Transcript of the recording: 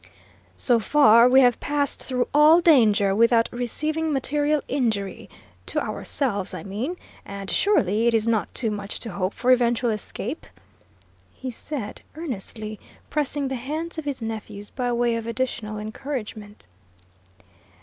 "So far we have passed through all danger without receiving material injury, to ourselves, I mean, and surely it is not too much to hope for eventual escape?" he said, earnestly, pressing the hands of his nephews, by way of additional encouragement.